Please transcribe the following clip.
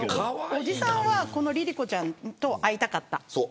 おじさんは、このりりこちゃんと会いたかった。